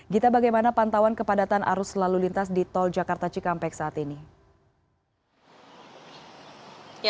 gita bagaimana pantauan kepadatan arus lalu lintas di tol jakarta cikampek saat ini